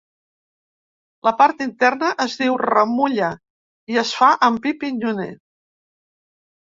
La part interna es diu ‘remulla’ i es fa amb pi pinyoner.